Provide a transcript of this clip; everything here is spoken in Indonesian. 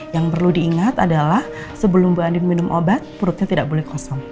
yang perlu diingat adalah sebelum bu andien minum obat purutnya tidak boleh dihidupkan